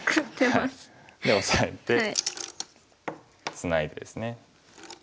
でオサえてツナいでですね。